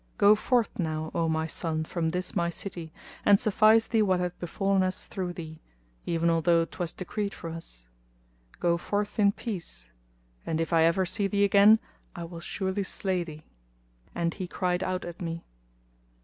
Go forth now, O my son, from this my city, and suffice thee what hath befallen us through thee, even although 'twas decreed for us. Go forth in peace; and if I ever see thee again I will surely slay thee." And he cried out at me.